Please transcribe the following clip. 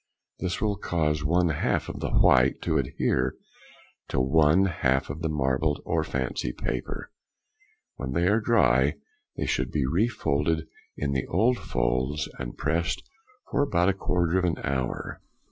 This will cause one half of the white |36| to adhere to one half of the marble or fancy paper. When they are dry, they should be refolded in the old folds and pressed for about a quarter of an hour.